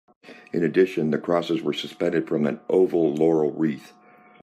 In addition, the crosses were suspended from an oval laurel wreath.